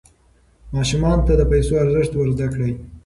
ماشومانو ته د پیسو ارزښت ور زده کړئ.